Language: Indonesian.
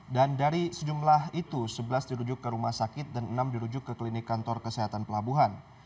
dan dari sejumlah itu sebelas dirujuk ke rumah sakit dan enam dirujuk ke klinik kantor kesehatan pelabuhan